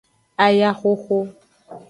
Ayahoho.